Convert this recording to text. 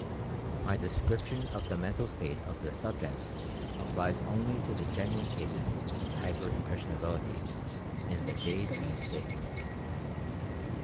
My description of the mental state of the subject applies only to the genuine cases of hyper impressionability, in the "day dream" state.